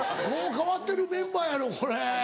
変わってるメンバーやろこれ。